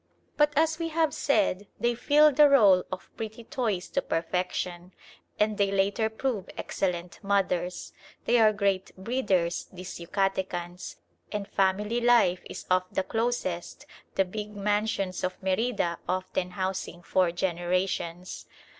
But as we have said, they fill the rôle of pretty toys to perfection; and they later prove excellent mothers. They are great breeders, these Yucatecans, and family life is of the closest, the big mansions of Merida often housing four generations.